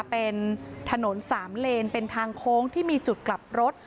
เป็นถนนสามเลนเป็นทางโค้งที่มีจุดกลับรถ